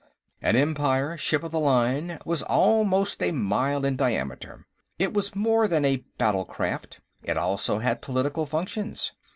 An Empire ship of the line was almost a mile in diameter. It was more than a battle craft; it also had political functions.